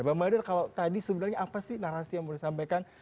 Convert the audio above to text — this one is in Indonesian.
bang mader kalau tadi sebenarnya apa sih narasi yang mau disampaikan